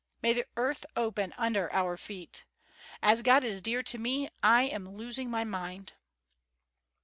May the earth open under our feet! As God is dear to me, I am losing my mind!"